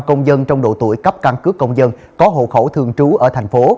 một trăm linh công dân trong độ tuổi cấp căn cức công dân có hộ khẩu thường trú ở thành phố